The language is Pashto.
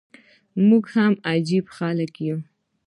موږ هم عجبه خلک يو.